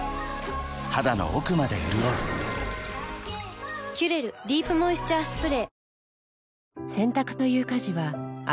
肌の奥まで潤う「キュレルディープモイスチャースプレー」